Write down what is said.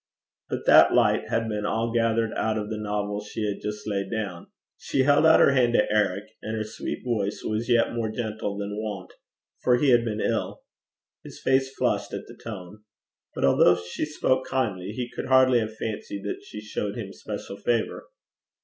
But that light had been all gathered out of the novel she had just laid down. She held out her hand to Eric, and her sweet voice was yet more gentle than wont, for he had been ill. His face flushed at the tone. But although she spoke kindly, he could hardly have fancied that she showed him special favour.